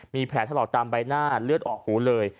มีแผลถลอกตามใบหน้าเลือดออกหูเลย